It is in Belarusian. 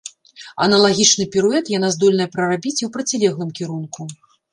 Аналагічны піруэт яна здольная прарабіць і ў процілеглым кірунку.